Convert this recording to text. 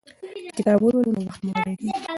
که کتاب ولولو نو وخت مو نه ضایع کیږي.